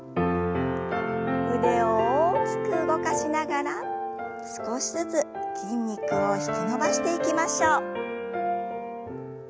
腕を大きく動かしながら少しずつ筋肉を引き伸ばしていきましょう。